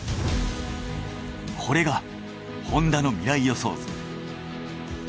これがホンダの未来予想図。